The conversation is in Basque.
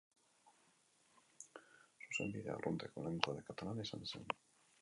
Zuzenbide arrunteko lehen kode katalana izan zen.